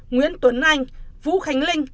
nguyễn tuấn anh vũ khánh linh